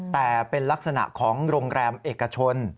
แต่เป็นลักษณะของโรงแรมเอกชน